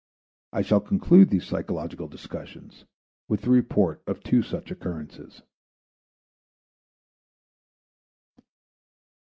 I shall conclude these psychological discussions with the report of two such occurrences.